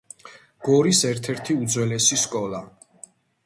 გორის ერთ-ერთი უძველესი სკოლა.